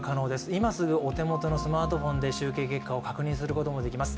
今すぐお手元のスマートフォンで集計結果を確認することもできます。